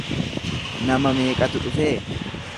Nama meeqatu dhufee?